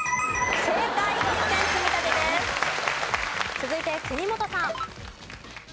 続いて国本さん。